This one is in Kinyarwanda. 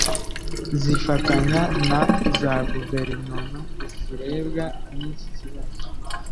zifatanya na za Guverinoma zirebwa n’iki kibazo